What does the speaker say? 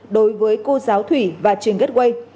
đối với cô giáo thủy và trường getway